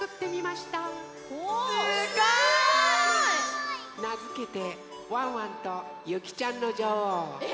すごい！なづけて「ワンワンとゆきちゃんのじょおう」。